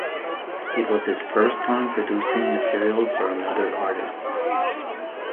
It was his first time producing material for another artist.